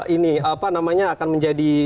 ini apa namanya akan menjadi